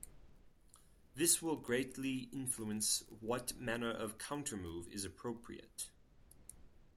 This will greatly influence what manner of countermove is appropriate.